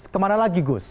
kemana lagi gus